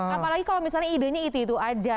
apalagi kalau misalnya idenya itu itu aja